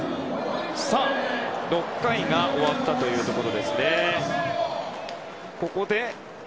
６回が終わったところですね。